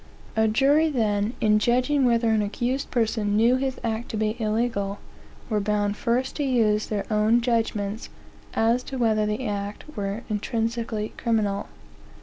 A jury, then, in judging whether an accused person knew his act to be illegal, were bound first to use their own judgments, as to whether the act were intrinsically criminal.